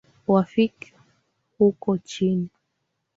Wafika huko chini?